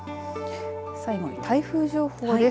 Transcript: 最後に台風情報です。